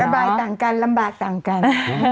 บายต่างกันลำบากต่างกัน